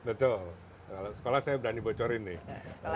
betul kalau sekolah saya berani bocorin nih